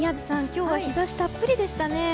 今日は日差したっぷりでしたね。